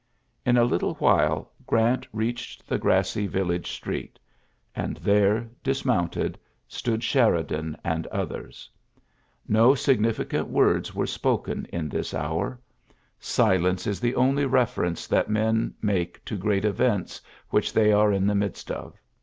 In a little while Grant reached the grassy village street; and there, dismounted, ULYSSES S. GEANT 125 stx>od Sheridan and others. fTo signifi cant words were spoken in this hour. Silence is the only reference that men make to great events which they are in the midst of.